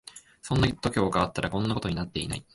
そんな度胸があったらこんなことになってない